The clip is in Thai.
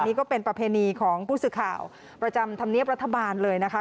นี่ก็เป็นประเพณีของผู้สื่อข่าวประจำธรรมเนียบรัฐบาลเลยนะคะ